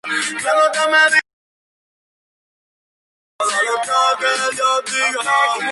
Rivas ha participado en los últimos Campeonatos de España de clubes.